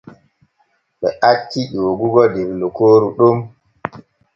Ɓe acci ƴoogogo der lokooru ɗon.